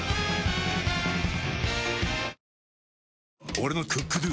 俺の「ＣｏｏｋＤｏ」！